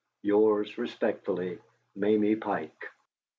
"Yours respectfully, "MAMIE PIKE."